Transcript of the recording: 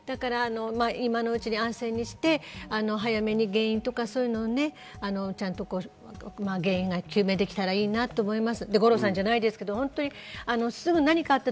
今のうち、安静にして早めに原因とか、そういうものをちゃんと究明できたらいいなと思います。